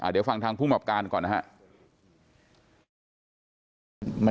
เดี๋ยวฟังทางผู้มอบการก่อนนะฮะ